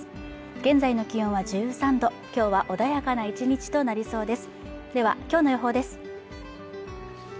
現在の気温は１３度きょうは穏やかな１日となりそうです